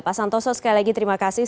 pak santoso sekali lagi terima kasih